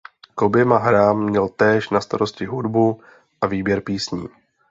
K oběma hrám měl též na starosti hudbu a výběr písní.